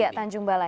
ya tanjung balai